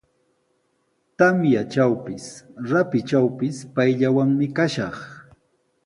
Tamyatrawpis, rapitrawpis payllawanmi kashaq.